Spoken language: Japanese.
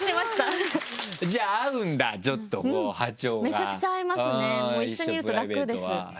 めちゃくちゃ合いますね一緒にいると楽です。